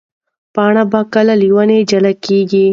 پاڼه به کله له ونې جلا کېږي؟